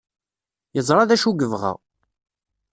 Yeẓra d acu yebɣa.